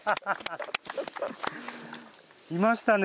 いましたね。